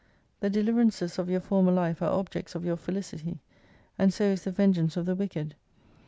The deliverances of your former life are objects of your felicity, and so is the vengeance of the wicked.